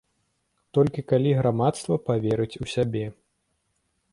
Толькі калі грамадства паверыць у сябе.